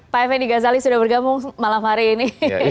pak fni gazali sudah bergabung malam hari ini